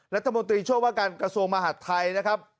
รัฐมนตรีช่วงว่าการกระโสงมหัฒน์ไทยนะครับ